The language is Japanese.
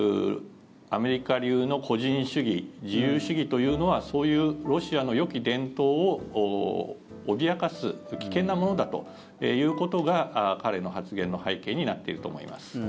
アメリカ流の個人主義自由主義というのはそういうロシアのよき伝統を脅かす危険なものだということが彼の発言の背景になっていると思います。